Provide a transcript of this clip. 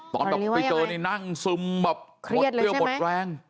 ตอนไปเจอนี่นั่งซึมแบบเกลี้ยวหมดแรง